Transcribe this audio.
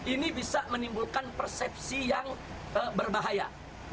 ini bisa menimbulkan persepsi yang berbahaya